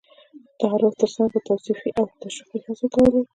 د تعارف تر څنګ به یې توصيفي او تشويقي هڅې کولې.